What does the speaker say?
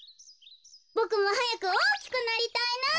ボクもはやくおおきくなりたいな。